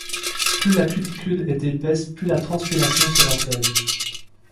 Plus la cuticule est épaisse plus la transpiration sera faible.